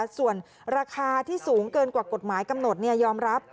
ส่วนราคาที่สูงเกินกว่ากฎหมายกำหนดยอมรับ